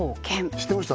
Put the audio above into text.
知ってました？